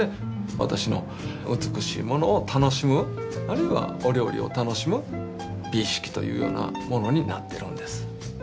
私の美しいものを楽しむあるいはお料理を楽しむ美意識というようなものになってるんです。